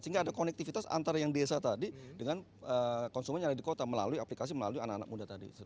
sehingga ada konektivitas antara yang desa tadi dengan konsumen yang ada di kota melalui aplikasi melalui anak anak muda tadi